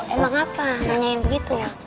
emang apa nanyain begitu ya